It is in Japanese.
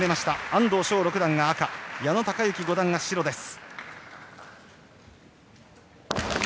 安藤翔六段が赤矢野貴之五段が白です。